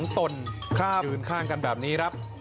๒ตนข้ามขึ้นข้างกันแบบนี้ครับ